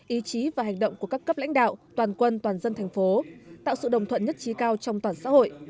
ý chí và hành động của các cấp lãnh đạo toàn quân toàn dân thành phố tạo sự đồng thuận nhất trí cao trong toàn xã hội